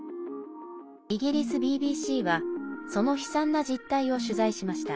イギリスＢＢＣはその悲惨な実態を取材しました。